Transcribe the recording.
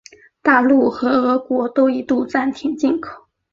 大陆和俄国都一度暂停进口。